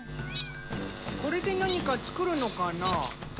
これで何か作るのかな？